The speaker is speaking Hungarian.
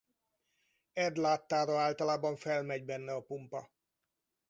Ed láttára általában felmegy benne a pumpa.